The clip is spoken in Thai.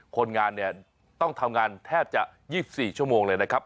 คนงานเนี่ยต้องทำงานแทบจะ๒๔ชั่วโมงเลยนะครับ